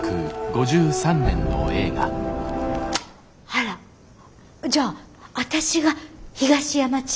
あらじゃあ私が東山千栄子ね。